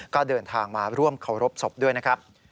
ก็เดินทางมาร่วมเคารพศพด้วยนะครับ